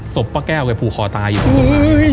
สบป๊าแก้วแกผูกคอตายอยู่ถ้านั้น